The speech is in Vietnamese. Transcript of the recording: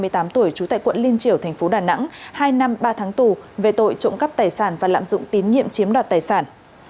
hai mươi tám tuổi trú tại quận liên triểu thành phố đà nẵng hai năm ba tháng tù về tội trộm cắp tài sản và lạm dụng tín nhiệm chiếm đoạt tài sản